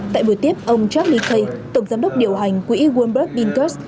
tại buổi tiếp ông charlie kay tổng giám đốc điều hành quỹ warburg binkers